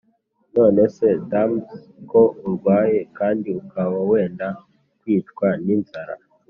nonese damas, ko urwaye kandi ukaba wenda kwicwa ninzara,